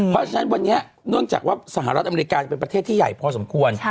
เพราะฉะนั้นวันนี้เนื่องจากว่าสหรัฐอเมริกาจะเป็นประเทศที่ใหญ่พอสมควร